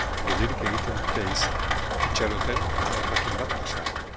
Geldirik egiten dute ehiza, itxaroten harrapakin bat pasa arte.